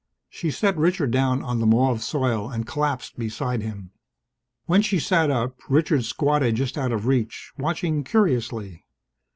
She set Richard down on the mauve soil and collapsed beside him. When she sat up, Richard squatted just out of reach, watching curiously.